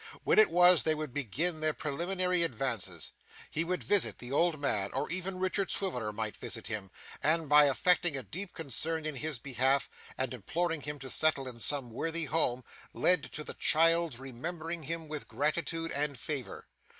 When it was, they would begin their preliminary advances. He would visit the old man, or even Richard Swiveller might visit him, and by affecting a deep concern in his behalf, and imploring him to settle in some worthy home, lead to the child's remembering him with gratitude and favour.